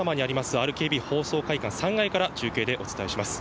ＲＫＢ放送会館３階から中継でお伝えします。